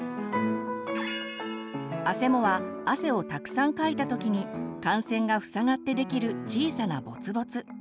あせもは汗をたくさんかいた時に汗腺が塞がってできる小さなボツボツ。